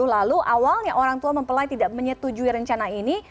lalu awalnya orang tua mempelai tidak menyetujui rencana ini